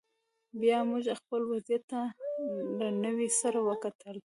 بیا موږ خپل وضعیت ته له نوي سره وکتل